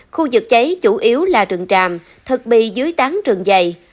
khu vực cháy chủ yếu là rừng tràm thực bị dưới tán rừng dày